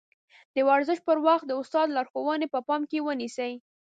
د ورزش پر وخت د استاد لارښوونې په پام کې ونيسئ.